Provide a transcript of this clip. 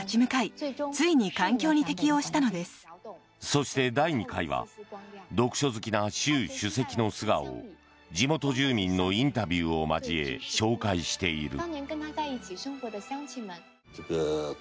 そして、第２回は読書好きな習主席の素顔を地元住民のインタビューを交え紹介している。